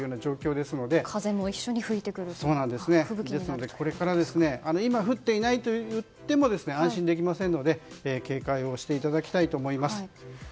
ですので、これから今、降っていないといっても安心できませんので警戒をしていただきたいと思います。